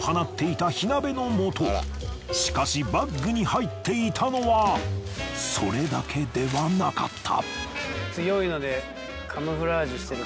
しかしバッグに入っていたのはそれだけではなかった。